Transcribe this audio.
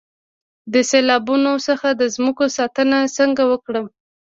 د سیلابونو څخه د ځمکو ساتنه څنګه وکړم؟